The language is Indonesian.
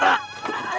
pak pak asap